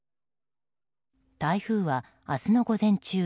台風は明日の午前中